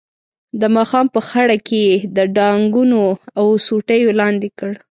د ماښام په خړه کې یې د ډانګونو او سوټیو لاندې کړ.